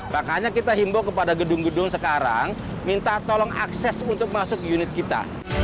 makanya kita himbau kepada gedung gedung sekarang minta tolong akses untuk masuk unit kita